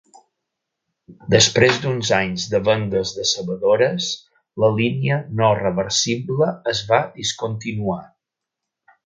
Després d'uns anys de vendes decebedores, la línia "no reversible" es va discontinuar.